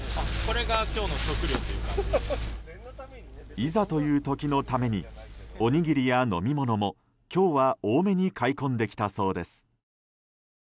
いざという時のためにおにぎりや飲み物も今日は多めに買い込んできたそうです。